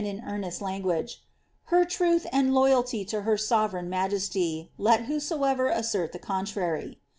ill earnest language, ^ her truth and loyalty to her sovereign majesty, let whosoever assert the contrary.